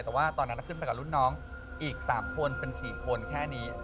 แต่ว่าตอนนั้นขึ้นไปกับรุ่นน้องอีก๓คนเป็น๔คนแค่นี้